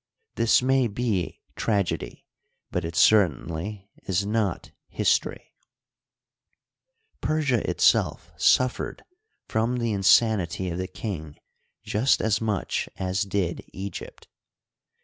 This may be tragedy t but it certainly is not history, Persia itself suffered from the insanity of the king just as much as did Egypt.